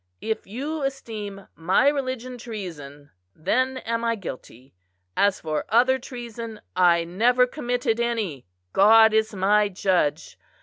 If you esteem my religion treason, then am I guilty; as for other treason, I never committed any, God is my judge.